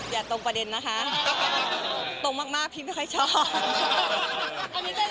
อย่าตรงประเด็นนะคะตรงมากพี่ไม่ค่อยชอบ